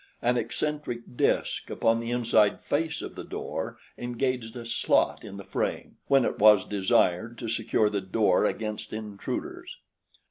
An eccentric disk upon the inside face of the door engaged a slot in the frame when it was desired to secure the door against intruders.